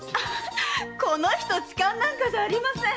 この人痴漢じゃありません。